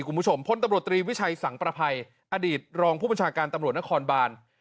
พลตำรวจตรีวิชัยสังประภัยอดีตรองผู้บัญชาการตำรวจนครบาน